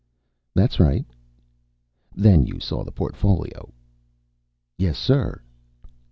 "That's right." "Then you saw the portfolio." "Yes, sir."